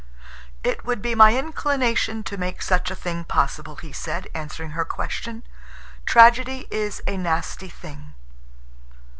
"It would be my inclination to make such a thing possible," he said, answering her question. "Tragedy is a nasty thing."